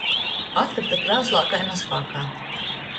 Atkryta krāslā kai naspākā.